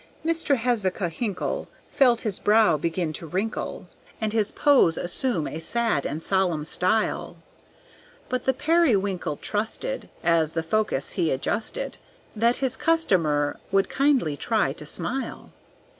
Mr. Hezekiah Hinkle Felt his brow begin to wrinkle, And his pose assume a sad and solemn style; But the Periwinkle trusted, As the focus he adjusted, That his customer would kindly try to smile.